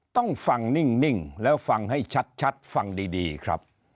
ต้องฟังนิ่งแล้วฟังให้ชัดฟังดีครับ